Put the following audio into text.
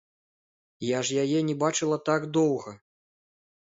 Я ж яе не бачыла так доўга!